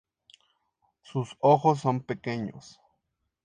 Sus ojos son pequeños.